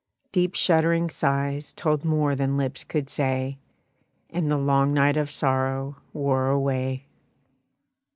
Deep shuddering sighs told more than lips could say; And the long night of sorrow wore away.